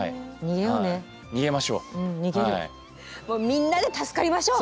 みんなで助かりましょう。